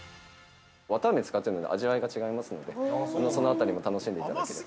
◆わたあめを使っているので、味わいが違いますので、その辺りも楽しんでいただけると。